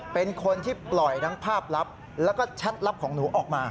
เป็นคนที่ปล่อยทั้งภาพลับแล้วก็แชทลับของหนูออกมา